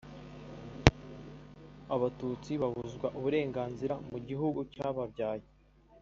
abatutsi babuzwa uburenganzira mu gihugu cyababyaye